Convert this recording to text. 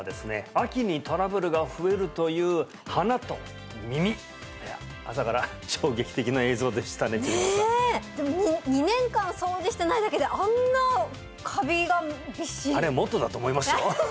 秋にトラブルが増えるという鼻と耳朝から衝撃的な映像でしたね千里子さんねえでも２年間掃除してないだけであんなカビがびっしりあれもっとだと思いますよ